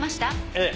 ええ。